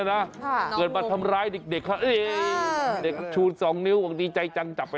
อ่ะเตรียมไปปล่อยคืนสู่ธรรมชาติต่อไป